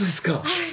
はい。